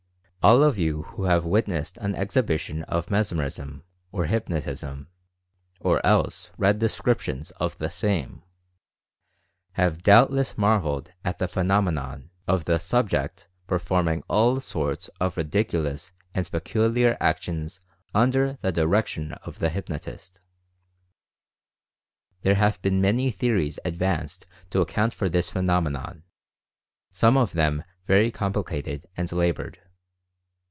All of you who have witnessed an exhibition of mesmerism, or hypnotism, or else read descriptions of the same, have doubtless marveled at the phenomenon 128 Menial Fascination of the "subject" performing all sorts of ridiculous and peculiar actions under the direction of the hyp notist. There have been many theories advanced to account for this phenomenon, some of them very com plicated and labored.